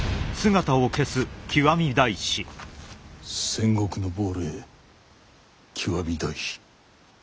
戦国の亡霊極大師。